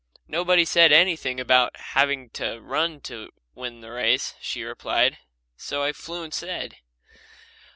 "Nobody said anything about having to run to win the race," she replied, "so I flew instead."